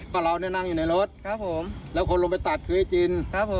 พ่อเรานั่งอยู่ในรถและคนลงไปตัดชื่อจิน